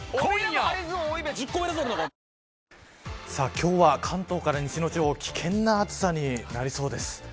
今日は関東から西の地方危険な暑さになりそうです。